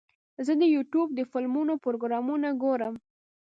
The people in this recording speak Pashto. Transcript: زه د یوټیوب د فلمونو پروګرامونه ګورم.